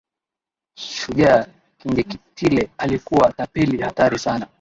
Shujaa Kinjekitile alikuwa tapeli hatari sana